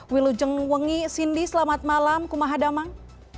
wilu jengwengi cindy selamat malam kumahadamang